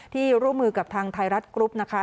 ที่ร่วมมือกับทางไทรัตเตรียมนะคะ